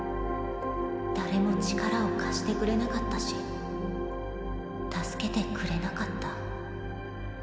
誰も力を貸してくれなかったし助けてくれなかった。